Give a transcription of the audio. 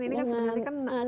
ini kan sebenarnya kan